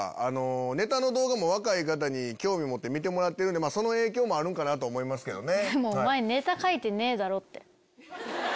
ネタの動画も若い方に興味持って見てもらってその影響もあるんかなと思いますけどね。